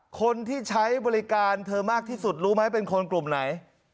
คนที่ใช้บริการเธอมากที่สุดรู้ไหมเป็นคนกลุ่มไหน